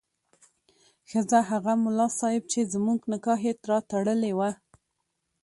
ښځه: هغه ملا صیب چې زموږ نکاح یې راتړلې وه